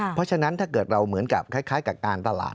เพราะฉะนั้นถ้าเกิดเราเหมือนกับคล้ายกับการตลาด